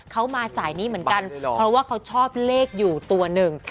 เขามาสายนี้เหมือนกันเพราะว่าเขาชอบเลขอยู่ตัวหนึ่ง